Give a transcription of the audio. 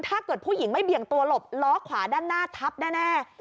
ถ้าเกิดผู้หญิงไม่เบี่ยงตัวหลบล้อขวาด้านหน้าทับแน่